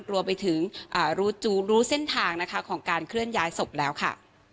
รวมไปถึงรู้เส้นทางนะคะของการเคลื่อนย้ายศพแล้วค่ะ